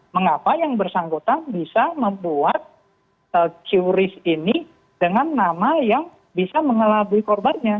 mengapa yang bersangkutan bisa membuat qris ini dengan nama yang bisa mengelabui korbannya